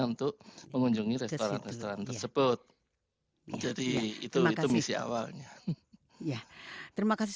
untuk mengunjungi restoran restoran tersebut jadi itu itu misi awalnya ya terima kasih